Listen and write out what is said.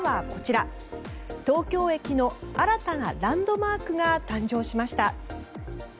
東京駅の新たなランドマークが誕生しました。